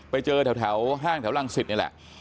ไปเจอแถวห้างแถวรังสิตนี่แหละ